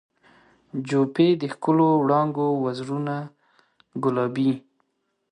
جوپې د ښکلو وړانګو وزرونه ګلابي